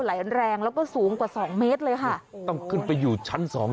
ไหลแรงแล้วก็สูงกว่าสองเมตรเลยค่ะต้องขึ้นไปอยู่ชั้นสอง